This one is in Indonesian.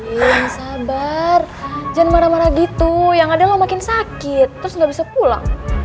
belum sabar jangan marah marah gitu yang ada lo makin sakit terus gak bisa pulang